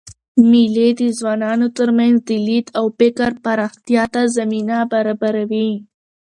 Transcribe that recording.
مېلې د ځوانانو ترمنځ د لید او فکر پراختیا ته زمینه برابروي.